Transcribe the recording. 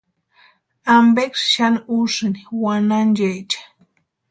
¿Ampeksï xani usïni wanhanchaecha?